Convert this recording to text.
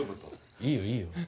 いいよいいよ